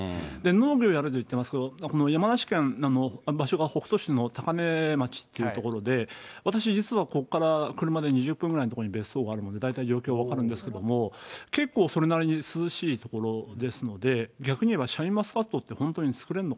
農業やると言ってますけど、山梨県、場所が北杜市のたかめ町っていう所で、私、実は、ここから車で２０分ぐらいの所に別荘があるので、状況は分かるんですけれども、結構それなりに涼しい所ですので、逆にいえばシャインマスカットっ